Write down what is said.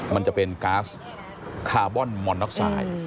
มันจะเป็นก๊าซคาร์บอนมอนน็อกไซด์